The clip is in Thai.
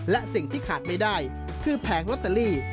และสิ่งที่ขาดไม่ได้คือแผงลอตเตอรี่